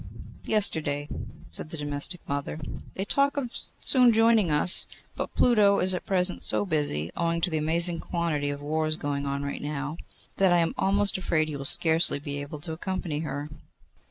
'Yesterday,' said the domestic mother. 'They talk of soon joining us. But Pluto is at present so busy, owing to the amazing quantity of wars going on now, that I am almost afraid he will scarcely be able to accompany her.